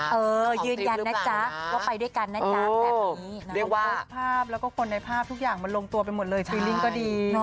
เออยืนยันนะจ๊ะว่าไปด้วยกันนะจ๊ะแบบนี้นะโพสต์ภาพแล้วก็คนในภาพทุกอย่างมันลงตัวไปหมดเลยฟีลิงก็ดี